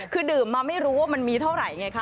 คือดื่มมาไม่รู้ว่ามันมีเท่าไหร่ไงคะ